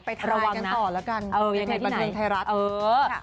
ไปทายกันต่อแล้วกันอย่างไรที่ไหน